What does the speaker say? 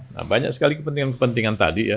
nah banyak sekali kepentingan kepentingan tadi ya